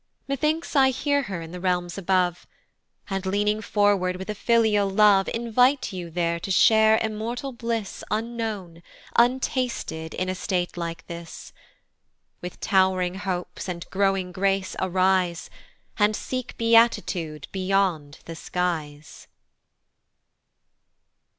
Methinks I hear her in the realms above, And leaning forward with a filial love, Invite you there to share immortal bliss Unknown, untasted in a state like this. With tow'ring hopes, and growing grace arise, And seek beatitude beyond the skies.